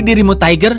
jadi dirimu tiger